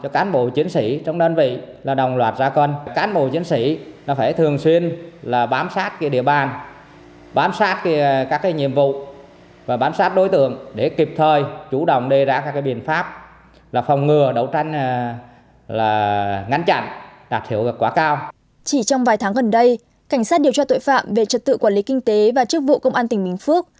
chỉ trong vài tháng gần đây cảnh sát điều tra tội phạm về trật tự quản lý kinh tế và chức vụ công an tỉnh bình phước